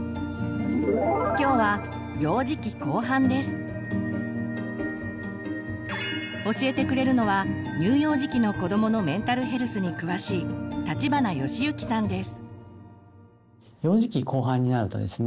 今日は教えてくれるのは乳幼児期の子どものメンタルヘルスに詳しい幼児期後半になるとですね